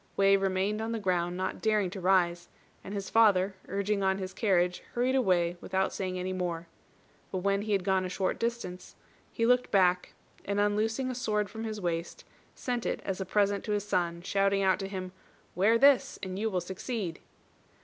Wei remained on the ground, not daring to rise; and his father, urging on his carriage, hurried away without saying any more. But when he had gone a short distance, he looked back, and unloosing a sword from his waist, sent it as a present to his son, shouting out to him, "Wear this and you will succeed."